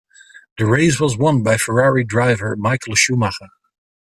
The race was won by Ferrari driver Michael Schumacher.